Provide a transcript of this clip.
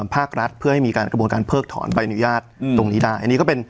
ภาครัฐเพื่อให้มีการกระบวนการเพิกถอนใบอนุญาตตรงนี้ได้อันนี้ก็เป็น